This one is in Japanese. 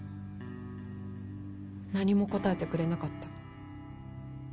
何も答えてくれなかった。